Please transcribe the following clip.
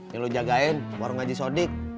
yang lu jagain warung ngaji sodik